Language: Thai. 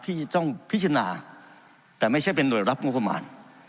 ที่จะต้องพิจารณาแต่ไม่ใช่เป็นห่วยรับงบประมาณ